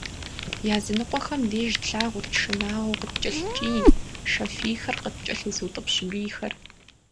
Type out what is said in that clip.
Языныкъуэхэм деж тлъагъурт шынагъуэу къыткӀэлъыкӀий, шэ фийхэр къыткӀэлъызыутӀыпщ бийхэр.